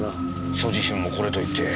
所持品もこれといって。